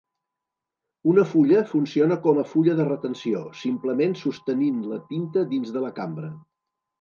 Una fulla funciona com a fulla de retenció, simplement sostenint la tinta dins de la cambra.